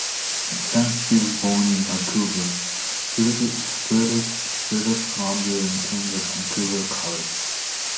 Lensky was born in Vancouver, British Columbia and attended Vancouver College.